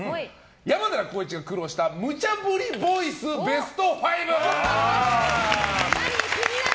山寺宏一が苦労したムチャブリボイスベスト５！